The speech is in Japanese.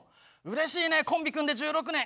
うれしいねコンビ組んで１６年